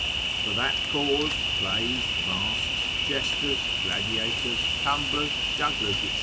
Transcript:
For that cause, plays, masks, jesters, gladiators, tumblers, jugglers, &c.